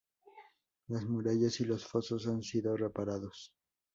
Las murallas y los fosos han sido reparados.